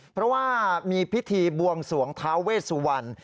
เพราะว่ามีพิธีบวงสวงท้าเวสวรรณ